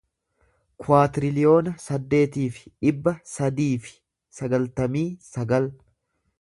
kuwaatiriliyoona saddeetii fi dhibba sadii fi sagaltamii sagal